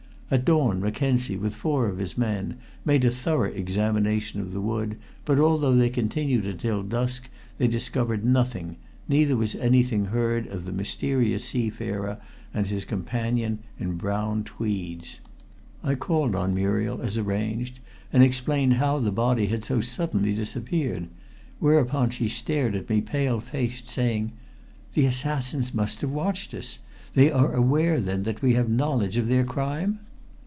At dawn Mackenzie, with four of his men, made a thorough examination of the wood, but although they continued until dusk they discovered nothing, neither was anything heard of the mysterious seafarer and his companion in brown tweeds. I called on Muriel as arranged, and explained how the body had so suddenly disappeared, whereupon she stared at me pale faced, saying "The assassins must have watched us! They are aware, then, that we have knowledge of their crime?"